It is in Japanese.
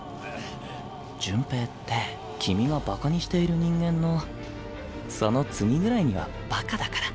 順平って君がバカにしている人間のその次ぐらいにはバカだから。